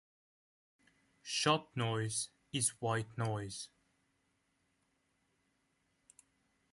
Shot noise is white noise.